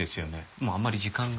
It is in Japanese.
もうあんまり時間が。